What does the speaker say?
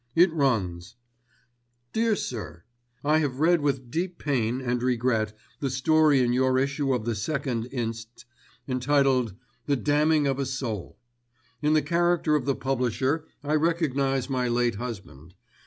It runs:— "'DEAR SIR, "'I have read with deep pain and regret the story in your issue of the 2nd inst., entitled The Damning of a Soul. In the character of the publisher I recognise my late husband.